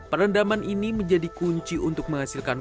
perendaman ini menjadi kunci untuk menghasilkan